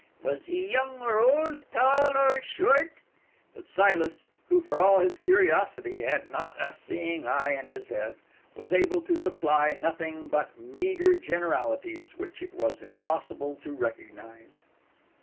Was he young or old? tall or short?" But Silas, who, for all his curiosity, had not a seeing eye in his head, was able to supply nothing but meagre generalities, which it was impossible to recognise.